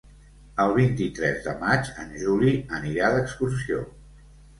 El vint-i-tres de maig en Juli anirà d'excursió.